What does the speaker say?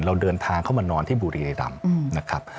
เราเดินทางเข้ามานอนที่บุรีรำนะครับ